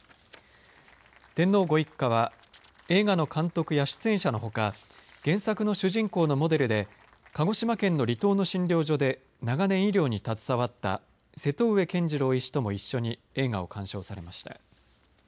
天皇ご一家は映画の監督や出演者のほか原作の主人公のモデルで鹿児島県の離島の診療所で長年、医療に携わった瀬戸上健二郎医師とも一緒に映画を鑑賞されました。